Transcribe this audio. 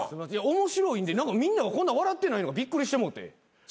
面白いんでみんながこんな笑ってないのがびっくりしてもうて。